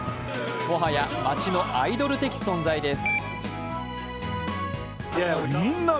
もはや町のアイドル的存在です。